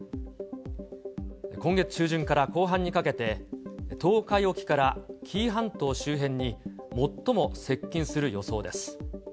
今月中旬から後半にかけて、東海沖から紀伊半島周辺に最も接近する予想です。